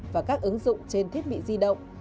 và các ứng dụng trên thiết bị di động